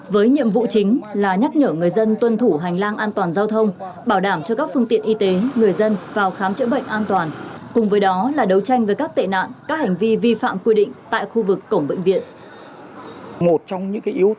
với nhiệm vụ chính là nhắc nhở người dân tuân thủ hành lang an toàn giao thông bảo đảm cho các phương tiện y tế người dân vào khám chữa bệnh an toàn cùng với đó là đấu tranh với các tệ nạn các hành vi vi phạm quy định tại khu vực cổng bệnh viện